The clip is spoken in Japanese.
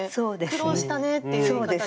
「苦労したね」っていう言い方で。